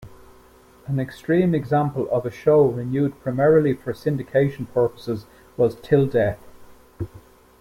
An extreme example of a show renewed primarily for syndication purposes was "'Til Death".